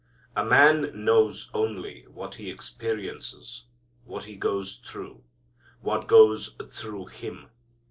A man knows only what he experiences; what he goes through; what goes through him.